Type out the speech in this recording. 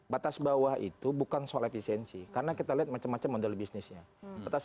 batas bawah itu bukan soal efisiensi karena kita lihat macam macam model bisnisnya